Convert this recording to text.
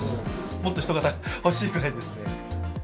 もっと人が欲しいくらいですね。